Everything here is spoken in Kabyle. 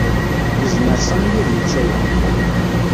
Yezmer Sami ad yečč aya.